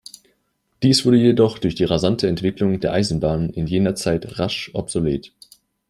Dies wurde jedoch durch die rasante Entwicklung der Eisenbahn in jener Zeit rasch obsolet.